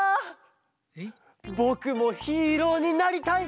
ぼくもヒーローになりたい！